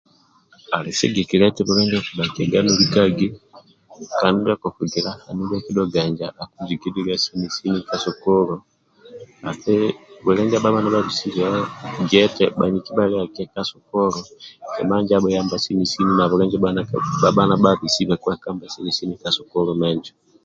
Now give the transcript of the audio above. Ali sigikilia eti bwile ndio okudhakia nolikagi kandi ndio kokugila andulu ndia akidhuwaga inja akujigidhilia sini ka sukulu ati bwile ndia bhabha nibhanisibe gia eti bhaniki bhaliagage ka sukulu kima injo abhuyamba sini sini na bwile injo bhabha nibha bisibe kweyamba ka sukulu menjo